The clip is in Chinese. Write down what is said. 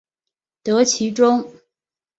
得其中